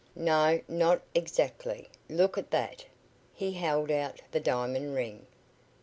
"No, not exactly. Look at that!" He held out the diamond ring.